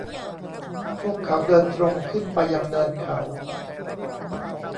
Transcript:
พวกเขาเดินตรงขึ้นไปยังเนินเขา